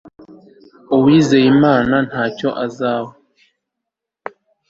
uwizera imana ntacyo azabura